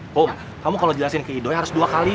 kom kamu kalau jelasin ke idoi harus dua kali